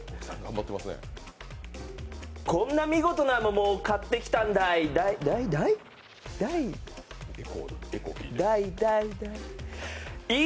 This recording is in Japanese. こんな見事な桃を買ってきたんだいだいだい？